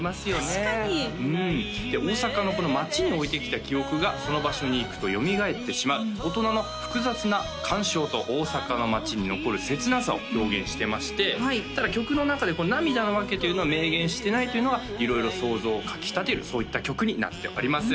確かに大阪の街に置いてきた記憶がその場所に行くとよみがえってしまう大人の複雑な感傷と大阪の街に残る切なさを表現してましてただ曲の中で涙の訳というのは明言してないというのが色々想像をかき立てるそういった曲になっております